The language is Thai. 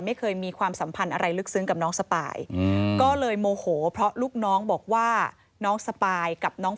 ไม่เคยมีความสัมพันธ์อะไรลึกซึ้งกับน้องสปาย